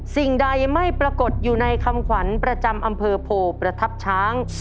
สิ่งใดไม่ปรากฏอยู่ในคำขวัญประจำอำเภอโพประทับช้าง